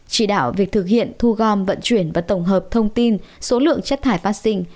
chỉ đạo việc thực hiện thu gom vận chuyển và tổng hợp thông tin số lượng chất thải phát sinh